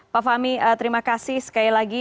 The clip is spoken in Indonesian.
pak fahmi terima kasih sekali lagi